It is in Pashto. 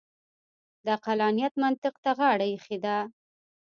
د عقلانیت منطق ته غاړه اېښې ده.